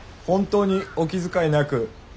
本当にお気遣いなく。